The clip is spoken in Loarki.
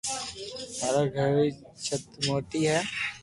مارآ گھر ري چت موتي ھي